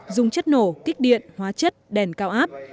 dùng chất nổ kích điện hóa chất đèn cao áp